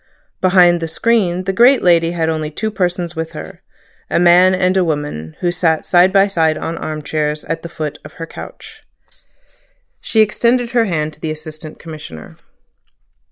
Behind the screen the great lady had only two persons with her: a man and a woman, who sat side by side on arm chairs at the foot of her couch. She extended her hand to the Assistant Commissioner.